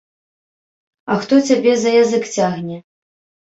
А хто цябе за язык цягне?